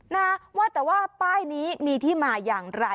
นะว่าแต่ว่าป้ายนี้มีที่มาอย่างไร